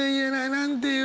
なんて言う？